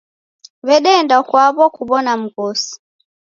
W'edeenda kwaw'o kuw'ona mghosi.